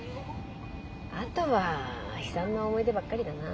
あとは悲惨な思い出ばっかりだな。